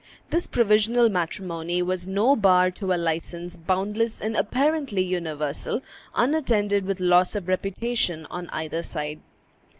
This provisional matrimony was no bar to a license boundless and apparently universal, unattended with loss of reputation on either side.